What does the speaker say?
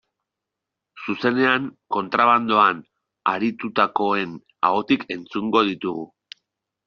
Zuzenean, kontrabandoan aritutakoen ahotik entzungo ditugu.